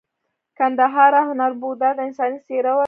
ګندهارا هنر بودا ته انساني څیره ورکړه